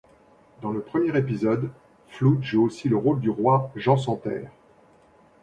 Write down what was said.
Dans le premier épisode, Flood joue aussi le rôle du roi Jean sans Terre.